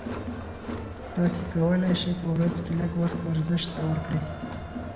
تاسي کولای شئ په ورځ کې لږ وخت ورزش ته ورکړئ.